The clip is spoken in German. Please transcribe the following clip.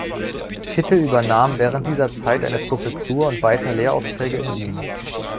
Kittel übernahm während dieser Zeit eine Professur und weiter Lehraufträge in Wien.